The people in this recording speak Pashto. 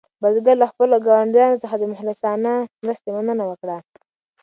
بزګر له خپلو ګاونډیانو څخه د مخلصانه مرستې مننه وکړه.